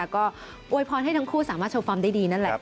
ก็อวยพรให้ทั้งคู่สามารถโชว์ฟอร์มได้ดีนั่นแหละ